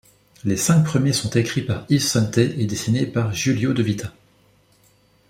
Les cinq premiers sont écrits par Yves Sente et dessinés par Giulio De Vita.